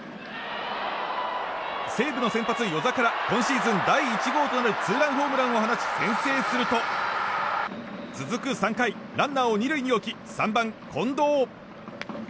西武の先発、與座から今シーズン第１号となるツーランホームランを放ち先制すると続く３回、ランナーを２塁に置き３番、近藤。